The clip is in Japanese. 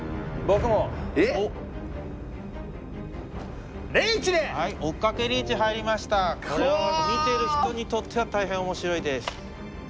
これは見てる人にとっては大変面白いです。